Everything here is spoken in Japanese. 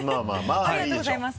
ありがとうございます。